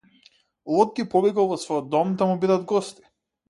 Лот ги повикал во својот дом да му бидат гости.